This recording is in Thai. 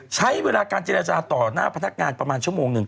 ใช้เวลาการเจรจาต่อหน้าพนักงานประมาณชั่วโมงหนึ่ง